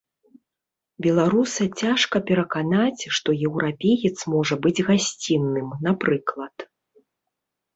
Беларуса цяжка пераканаць, што еўрапеец можа быць гасцінным, напрыклад.